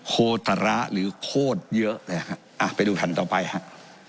โคตรร้าหรือโคตรเยอะเลยครับไปดูฐานต่อไปครับ